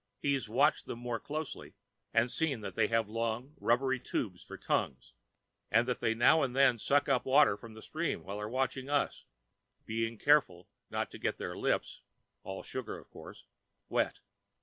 He's watched them more closely and seen that they have long rubbery tubes for tongues, and that they now and then suck up water from the stream while they're watching us, being careful not to get their lips (all sugar, of course) wet.